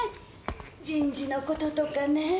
人事のこととかねぇ。